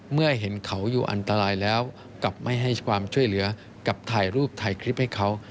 เมื่อเห็นเขาอยู่อันตรายแล้วกลับไม่ให้ความช่วยเหลือกับถ่ายรูปถ่ายคลิปให้เขา